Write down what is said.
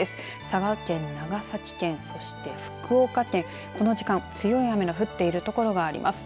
佐賀県、長崎県、そして福岡県この時間、強い雨が降っている所があります。